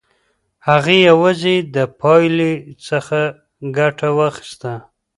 هغې یوازې د پایلې څخه ګټه واخیسته.